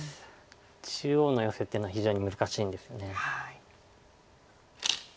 中央のヨセっていうのは非常に難しいんですよね。